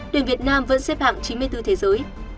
tuyển việt nam vẫn xếp hạng chín mươi bốn thế giới